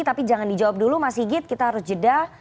tapi jangan dijawab dulu mas sigit kita harus jeda